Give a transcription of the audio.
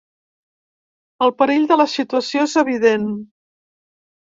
El perill de la situació és evident.